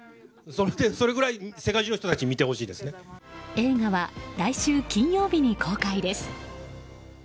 映画は来週金曜日に公開です。